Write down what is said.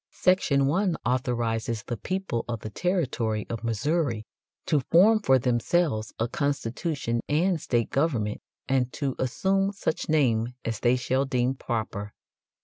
Section 1 authorizes the people of the territory of Missouri "to form for themselves a constitution and state government, and to assume such name as they shall deem proper."